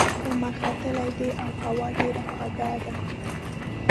لمر ختلی دی او هوا ډېره خوږه ده.